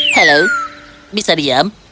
halo bisa diam